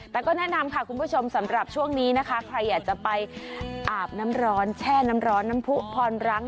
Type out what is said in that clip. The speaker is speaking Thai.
แต่ก็แนะนำค่ะคุณผู้ชมสำหรับช่วงนี้นะคะใครอยากจะไปอาบน้ำร้อนแช่น้ำร้อนน้ำผู้พรรัง